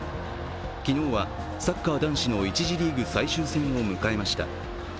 昨日はサッカー男子の１次リーグ最終戦を迎えました。